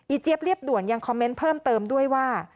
เจี๊ยบเรียบด่วนยังคอมเมนต์เพิ่มเติมด้วยว่า